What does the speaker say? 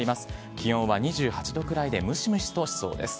気温は２８度くらいでムシムシとしそうです。